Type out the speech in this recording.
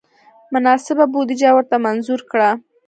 مناسبه بودجه ورته منظور کړه.